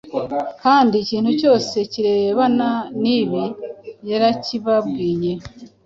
kandi ikintu cyose kirebana n’ibi yarakibabwiye.